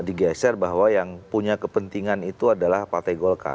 digeser bahwa yang punya kepentingan itu adalah partai golkar